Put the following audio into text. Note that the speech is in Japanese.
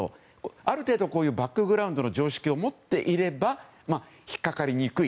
ある程度、バックグラウンドの常識を持っていれば引っ掛かりにくい。